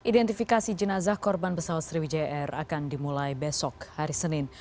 identifikasi jenazah korban pesawat sriwijaya air akan dimulai besok hari senin